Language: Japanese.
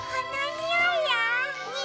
におい！